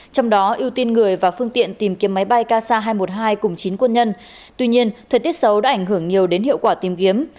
trong đó ưu tiên người và phương tiện tìm kiếm máy bay kc hai trăm một mươi hai cùng chín quân nhân tuy nhiên thời tiết xấu đã ảnh hưởng nhiều đến hiệu quả tìm kiếm